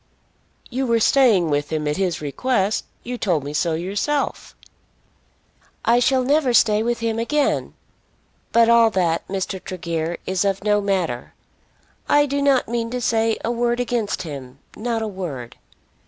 "You were staying with him, at his request. You told me so yourself." "I shall never stay with him again. But all that, Mr. Tregear, is of no matter. I do not mean to say a word against him; not a word.